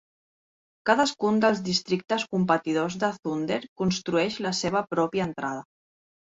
Cadascun dels districtes competidors de Zundert construeix la seva pròpia entrada.